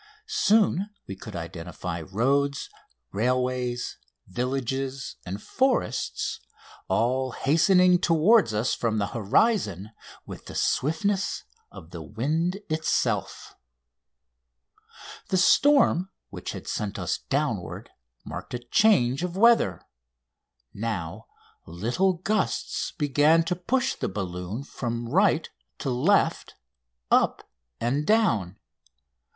Soon we could identify roads, railways, villages, and forests, all hastening toward us from the horizon with the swiftness of the wind itself. The storm which had sent us downward marked a change of weather. Now little gusts began to push the balloon from right to left, up and down.